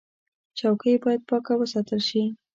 چوکۍ باید پاکه وساتل شي.